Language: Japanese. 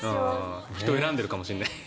人を選んでるかもしれない。